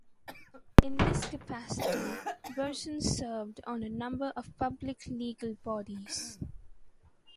In this capacity, Burson served on a number of public legal bodies.